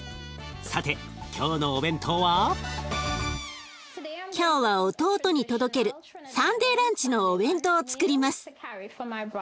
さて今日のお弁当は？今日は弟に届けるサンデーランチのお弁当をつくります。